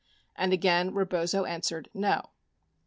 and again Rebozo answered "No."